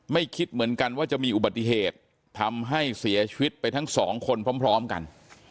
คิดเหมือนกันว่าจะมีอุบัติเหตุทำให้เสียชีวิตไปทั้งสองคนพร้อมกัน